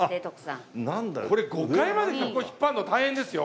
これ５階まで客を引っ張るの大変ですよ。